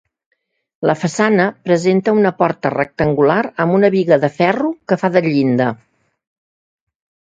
La façana presenta una porta rectangular amb una biga de ferro que fa de llinda.